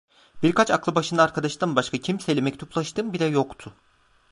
Birkaç aklı başında arkadaştan başka kimseyle mektuplaştığım bile yoktu.